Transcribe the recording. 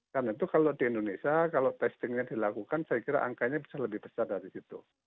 karena itu kalau di indonesia kalau testingnya dilakukan saya kira angkanya bisa lebih besar dari situ